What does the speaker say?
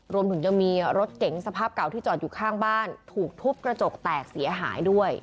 รวมถึงยังมีรถเก๋งสภาพเก่าที่จอดอยู่ข้างบ้านถูกทุบกระจกแตกเสียหายด้วย